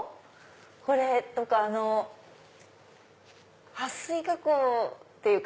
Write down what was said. これとか撥水加工っていうか。